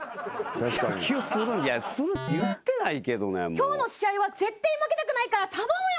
今日の試合は絶対負けたくないから頼むよ。